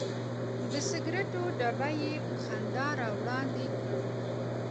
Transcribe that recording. د سګرټو ډبی یې په خندا راوړاندې کړ.